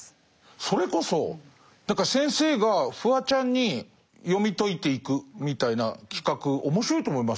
それこそ先生がフワちゃんに読み解いていくみたいな企画面白いと思いますよ。